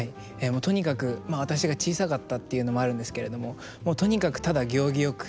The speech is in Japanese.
もうとにかくまあ私が小さかったっていうのもあるんですけれどもとにかくただ行儀よく。